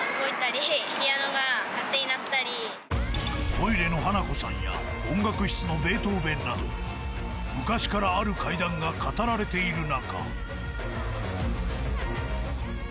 トイレの花子さんや音楽室のベートーヴェンなど昔からある怪談が語られている中